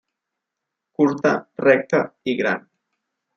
Curta, recta i gran.